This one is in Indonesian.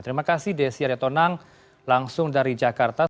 terima kasih desi arya tonang langsung dari jakarta